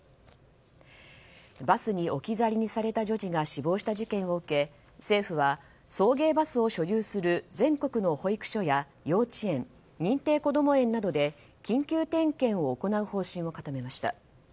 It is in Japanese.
バスに置き去りにされた女児が死亡した事件を受け政府は送迎バスを所有する全国の保育所や幼稚園認定こども園などで緊急点検を行う方針を固めました。